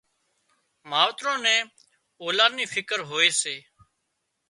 ماوتران نين اولاد نِي فڪر هوئي سي